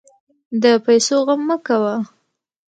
د پیسو غم مه کوه.